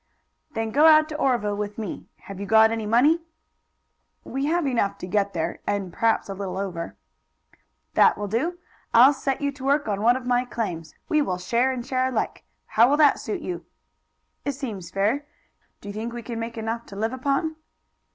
"Then go out to Oreville with me. Have you got any money?" "We have enough to get there, and perhaps a little over." "That will do. I'll set you to work on one of my claims. We will share and share alike. How will that suit you?" "It seems fair. Do you think we can make enough to live upon?"